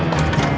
lengkaf avk gak